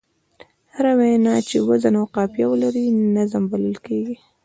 هره وينا چي وزن او قافیه ولري؛ نظم بلل کېږي.